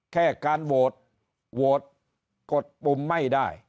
แค่การโหวตโหวตกดปุ่มไม่ได้